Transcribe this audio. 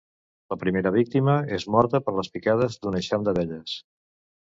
La primera víctima és morta per les picades d'un eixam d'abelles.